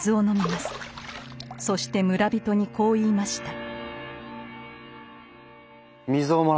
そして村人にこう言いました。